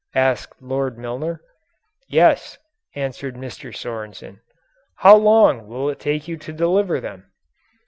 asked Lord Milner. "Yes," answered Mr. Sorensen. "How long will it take you to deliver them?"